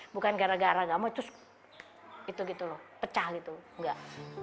bukan gara gara gak mau terus itu gitu loh pecah gitu enggak